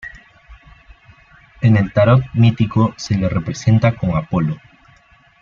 En el tarot mítico se le representa con Apolo.